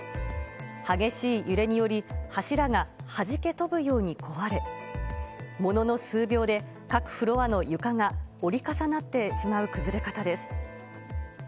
激しい揺れにより、柱がはじけ飛ぶように壊れ、ものの数秒で各フロアの床が折り重なってしまう崩れ方です。